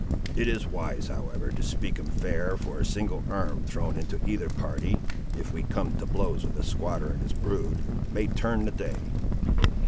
It is wise, however, to speak him fair, for a single arm thrown into either party, if we come to blows with the squatter and his brood, may turn the day.